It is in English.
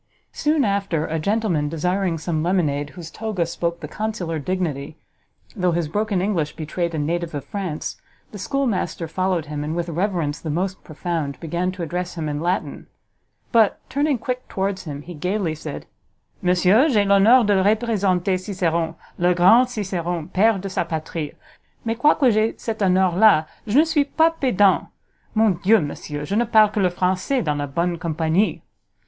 Soon after, a gentleman desiring some lemonade whose toga spoke the consular dignity, though his broken English betrayed a native of France, the schoolmaster followed him, and, with reverence the most profound, began to address him in Latin; but, turning quick towards him, he gaily said, "_Monsieur, j'ai l'honneur de representer Ciceron, le grand Ciceron, pere de sa patrie! mais quoique j'ai cet honneur la, je ne suit pas pedant! mon dieu, Monsieur, je ne parle que le Francois dans la bonne compagnie_!"